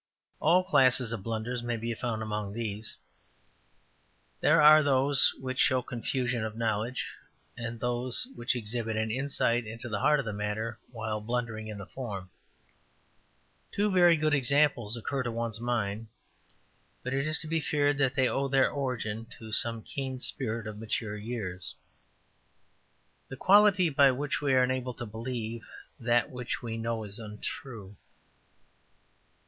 All classes of blunders may be found among these. There are those which show confusion of knowledge, and those which exhibit an insight into the heart of the matter while blundering in the form. Two very good examples occur to one's mind, but it is to be feared that they owe their origin to some keen spirit of mature years. ``What is Faith? The quality by which we are enabled to believe that which we know is untrue.''